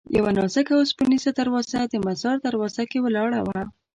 یوه نازکه اوسپنیزه دروازه د مزار دروازه کې ولاړه وه.